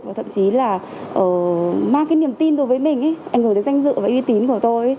và thậm chí là mang cái niềm tin đối với mình ấy ảnh hưởng đến danh dự và uy tín của tôi